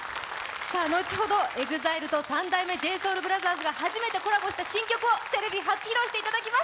後ほどＥＸＩＬＥと三代目ＪＳＯＵＬＢＲＯＴＨＥＲＳが初めてコラボレーションした新曲をテレビ初披露していただきます。